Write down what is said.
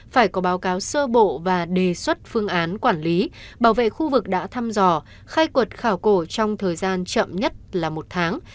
phải có báo cáo sơ bộ và đề xuất phương án quản lý bảo vệ khu vực đã thăm dò khai quật khảo cổ trong thời gian chậm nhất là một tháng